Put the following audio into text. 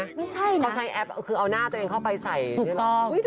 ไม่ใช่นะเขาใส่แอปคือเอาหน้าตัวเองเข้าไปใส่หรือเปล่าถูกต้อง